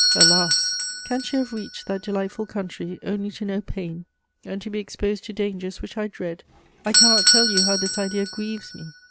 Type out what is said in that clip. Alas, can she have reached that delightful country only to know pain and to be exposed to dangers which I dread! I cannot tell you how this idea grieves me.